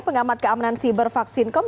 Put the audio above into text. pengamat keamanan sibervaksin com